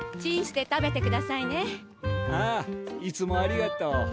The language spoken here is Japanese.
ああいつもありがとう。